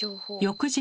翌日。